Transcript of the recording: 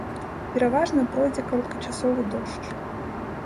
Пераважна пройдзе кароткачасовы дождж.